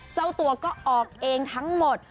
เจ้าตัวก็ออกเองทั้งหมด